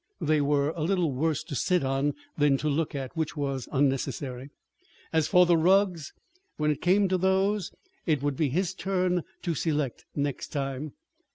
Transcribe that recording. They were a little worse to sit on than to look at which was unnecessary. As for the rugs when it came to those, it would be his turn to select next time.